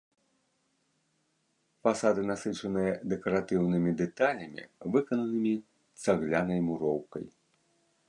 Фасады насычаныя дэкаратыўнымі дэталямі, выкананымі цаглянай муроўкай.